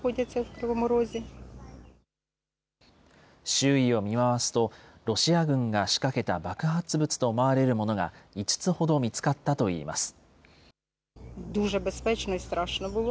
周囲を見回すと、ロシア軍が仕掛けた爆発物と思われるものが５つほど見つかったといいます。